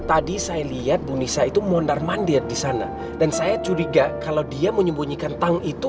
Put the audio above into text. tadi saya lihat bu nisa itu mondar mandir di sana dan saya curiga kalau dia menyembunyikan tang itu